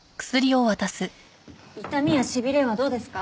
痛みや痺れはどうですか？